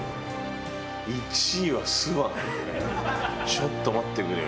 ちょっと待ってくれよ。